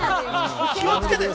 気をつけて！